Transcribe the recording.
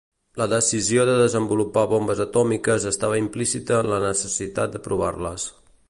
La decisió de desenvolupar bombes atòmiques estava implícita en la necessitat de provar-les.